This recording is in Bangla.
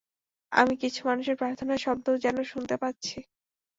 আমি কিছু মানুষের প্রার্থনার শব্দও যেন শুনতে পাচ্ছি!